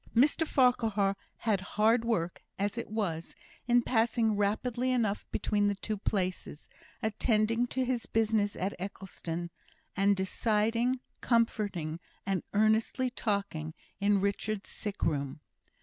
Mr Farquhar had hard work, as it was, in passing rapidly enough between the two places attending to his business at Eccleston; and deciding, comforting, and earnestly talking, in Richard's sick room.